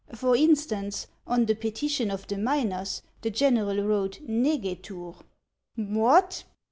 For instance, on the petition of the miners, the general wrote, negetur." " What